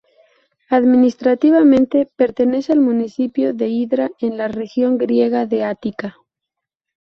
Administrativamente pertenece al municipio de Hydra en la región griega de Ática.